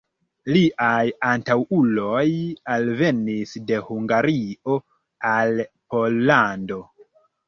Liaj antaŭuloj alvenis de Hungario al Pollando.